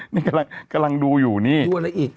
นี่กำลังดูอยู่นี่ดูอะไรอีก